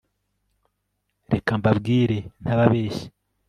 reka mbabwire ntababeshya